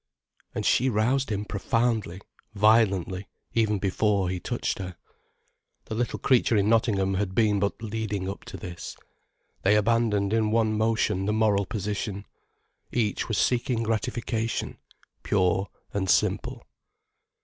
And she roused him profoundly, violently, even before he touched her. The little creature in Nottingham had but been leading up to this. They abandoned in one motion the moral position, each was seeking gratification pure and simple.